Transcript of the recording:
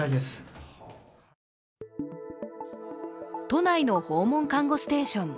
都内の訪問看護ステーション。